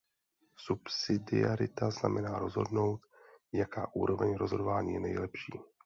Subsidiarita znamená rozhodnout, jaká úroveň rozhodování je nejlepší.